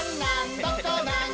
どこなん？